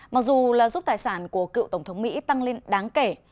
mặc dù là giúp tài sản của cựu tổng thống mỹ tăng lên đáng kể